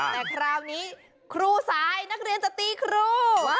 แต่คราวนี้ครูสายนักเรียนจะตีครู